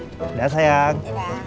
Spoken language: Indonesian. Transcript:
kreati dah sayang